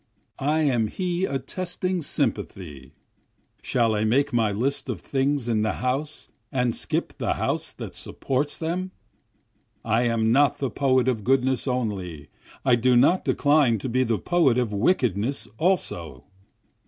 I am he attesting sympathy, (Shall I make my list of things in the house and skip the house that supports them?) I am not the poet of goodness only, I do not decline to be the poet of wickedness also.